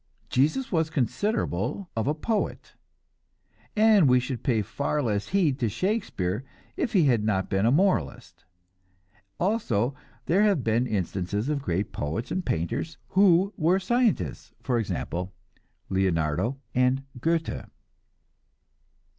Jesus was considerable of a poet, and we should pay far less heed to Shakespeare if he had not been a moralist. Also there have been instances of great poets and painters who were scientists for example, Leonardo and Goethe.